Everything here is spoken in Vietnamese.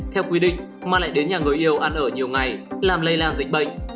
theo quy định mà lại đến nhà người yêu ăn ở nhiều ngày làm lây lan dịch bệnh